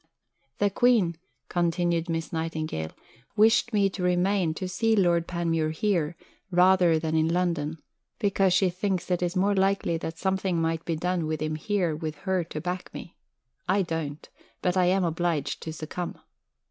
"The Queen," continued Miss Nightingale, "wished me to remain to see Lord Panmure here rather than in London, because she thinks it more likely that something might be done with him here with her to back me. I don't. But I am obliged to succumb."